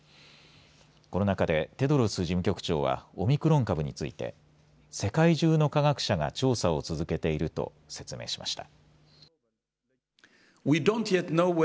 この中で、テドロス事務局長はオミクロン株について世界中の科学者が調査を続けていると説明しました。